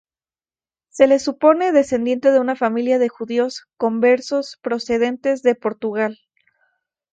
Se lo supone descendiente de una familia de judíos conversos procedentes de Portugal.